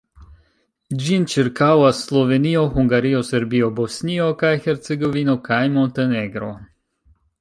Ĝin ĉirkaŭas Slovenio, Hungario, Serbio, Bosnio kaj Hercegovino kaj Montenegro.